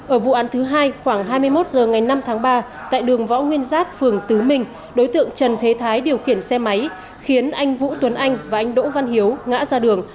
ở vụ án thứ hai khoảng hai mươi một h ngày năm tháng ba tại đường võ nguyên giáp phường tứ minh đối tượng trần thế thái điều khiển xe máy khiến anh vũ tuấn anh và anh đỗ văn hiếu ngã ra đường